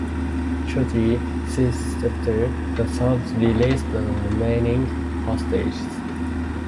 Shortly thereafter, the Serbs released the remaining hostages.